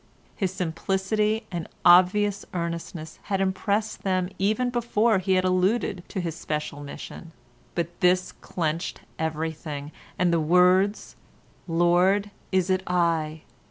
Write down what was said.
His simplicity and obvious earnestness had impressed them even before he had alluded to his special mission, but this clenched everything, and the words "Lord, is it I?"